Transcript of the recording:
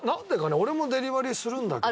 俺もデリバリーするんだけど。